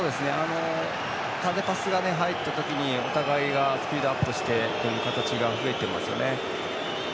縦パスが入った時お互いがスピードアップしてという形が増えていますよね。